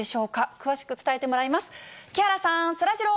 詳しく伝えてもらいます。